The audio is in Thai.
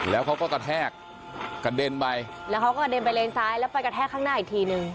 แล้วเขาก็กระแทกกระเด็นไปแล้วเขาก็กระเด็นไปเลนซ้ายแล้วไปกระแทกข้างหน้าอีกทีนึง